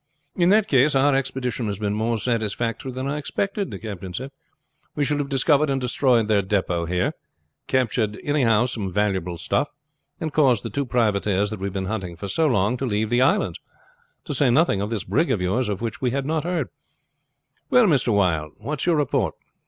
"In that case our expedition has been more satisfactory than I expected," the captain said. "We shall have discovered and destroyed their depot here, captured anyhow some valuable stuff, and caused the two privateers that we have been hunting for so long to leave the islands, to say nothing of this brig of yours, of which we had not heard. Well, Mr. Wylde, what is your report?"